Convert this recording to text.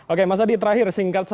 oke mas adi terakhir singkat saja